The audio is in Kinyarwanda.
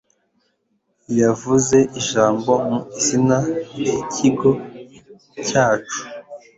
Yavuze ijambo mu izina ryikigo cyacu.